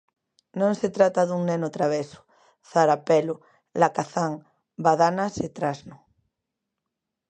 Non se trata dun neno traveso, zarapelo, lacazán, badanas e trasno.